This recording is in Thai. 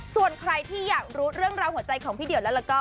ส่วนใครที่อยากรู้เรื่องราวหัวใจของพี่เดี่ยวแล้วก็